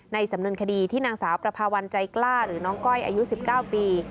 สำนวนคดีที่นางสาวประพาวันใจกล้าหรือน้องก้อยอายุ๑๙ปี